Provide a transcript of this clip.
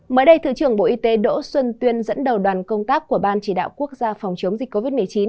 mới đây thứ trưởng bộ y tế đỗ xuân tuyên dẫn đầu đoàn công tác của ban chỉ đạo quốc gia phòng chống dịch covid một mươi chín